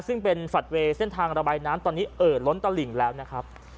ซึ่งเป็นแฟลตเวย์เส้นทางระบายน้ำตอนนี้เอ่อล้นตลิ่งแล้วนะครับ